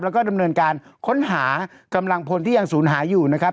แล้วก็ดำเนินการค้นหากำลังพลที่ยังศูนย์หายอยู่นะครับ